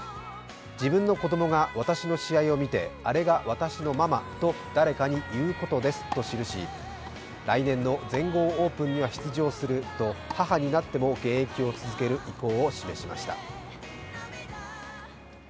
自分の子供が私の試合を見て、あれが私のママと誰かに言うことですと記して、来年の全豪オープンには出場すると母になっても現役を続ける意向を示しました。